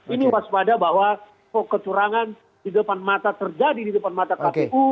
ini waspada bahwa kecurangan di depan mata terjadi di depan mata kpu